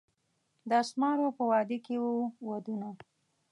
د اسمارو په وادي کښي وو ودونه